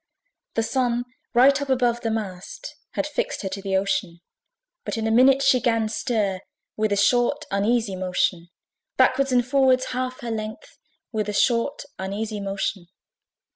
The Sun, right up above the mast, Had fixed her to the ocean: But in a minute she 'gan stir, With a short uneasy motion Backwards and forwards half her length With a short uneasy motion.